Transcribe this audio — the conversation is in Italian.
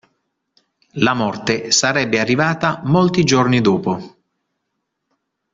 La morte sarebbe arrivata molti giorni dopo.